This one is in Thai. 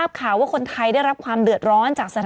มีสารตั้งต้นเนี่ยคือยาเคเนี่ยใช่ไหมคะ